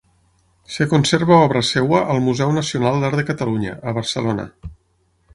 Es conserva obra seva al Museu Nacional d'Art de Catalunya, a Barcelona.